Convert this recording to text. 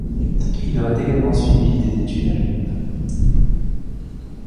Il aurait également suivi des études à Genève.